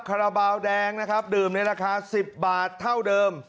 คาราบาลแดงนะครับดื่มในราคา๑๐บาทเท่าเดิม